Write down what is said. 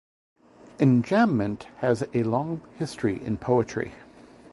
Enjambment has a long history in poetry.